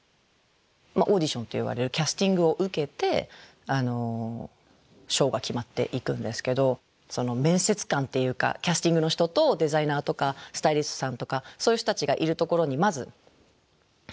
オーディションっていわれるキャスティングを受けてショーが決まっていくんですけど面接官っていうかキャスティングの人とデザイナーとかスタイリストさんとかそういう人たちがいるところにまず入っていくじゃないですか。